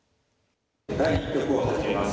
第１局を始めます。